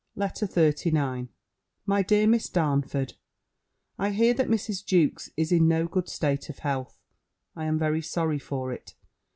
B. LETTER XXXIX MY DEAR MISS DARNFORD, I hear that Mrs. Jewkes is in no good state of health. I am very sorry for it.